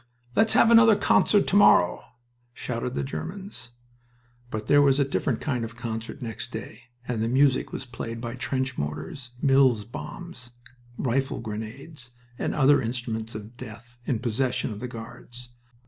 "Let's have another concert to morrow!" shouted the Germans. But there was a different kind of concert next day, and the music was played by trench mortars, Mills bombs, rifle grenades, and other instruments of death in possession of the Guards.